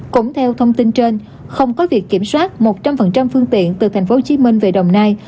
cũng theo thông tin trên không có việc kiểm soát một trăm linh phương tiện từ tp hcm về đồng nai